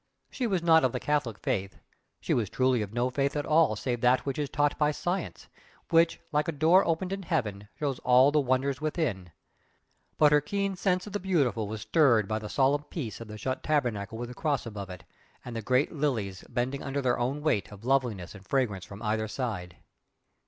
She was not of the Catholic faith, she was truly of no faith at all save that which is taught by Science, which like a door opened in heaven shows all the wonders within, but her keen sense of the beautiful was stirred by the solemn peace of the shut Tabernacle with the Cross above it, and the great lilies bending under their own weight of loveliness and fragrance on either side.